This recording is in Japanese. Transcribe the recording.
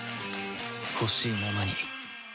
ほしいままに